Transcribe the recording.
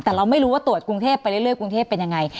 แต่เราไม่รู้ว่าตรวจกรุงเทพไปเรื่อยกรุงเทพเป็นยังไง